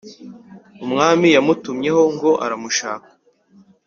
umwami yamutumyeho ngo aramushaka